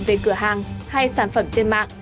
về cửa hàng hay sản phẩm trên mạng